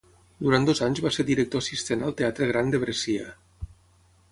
Durant dos anys va ser director assistent al Teatre Gran de Brescia.